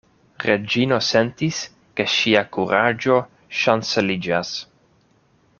Reĝino sentis, ke ŝia kuraĝo ŝanceliĝas.